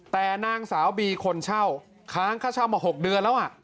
แต่นางสาวบีคนเช่าค้างค่าเช่ามา๖เดือนแล้ว